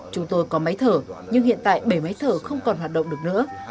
chúng tôi có máy thở nhưng hiện tại bể máy thở không còn hoạt động được nữa